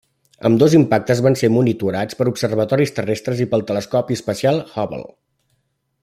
Ambdós impactes van ser monitorats per observatoris terrestres i pel Telescopi espacial Hubble.